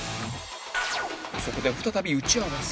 そこで再び打ち合わせ